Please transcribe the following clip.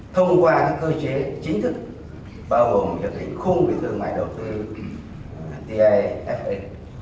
thông qua các cơ chế chính thức bao gồm được hình khung về thương mại đầu tư ta fa